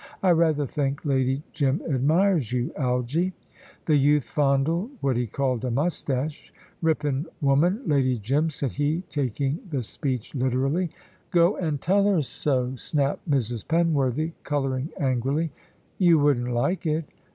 "I rather think Lady Jim admires you, Algy." The youth fondled what he called a moustache. "Rippin' woman, Lady Jim," said he, taking the speech literally. "Go and tell her so," snapped Mrs. Penworthy, colouring angrily. "You wouldn't like it."